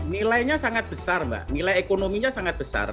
nilainya sangat besar mbak nilai ekonominya sangat besar